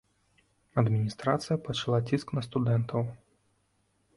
Адміністрацыя пачала ціск на студэнтаў.